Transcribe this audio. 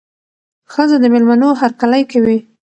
ښځه د مېلمنو هرکلی کوي.